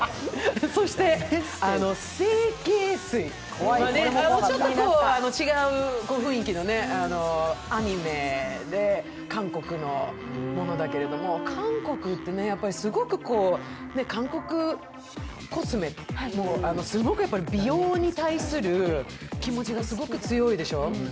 そして「整形水」、ちょっと違う雰囲気のアニメで韓国のものだけれども、韓国ってすごく韓国コスメ、すごく美容に対する気持ちがすごく強いでしょう？